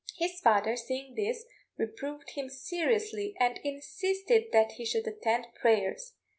His father, seeing this, reproved him seriously, and insisted that he should attend prayers.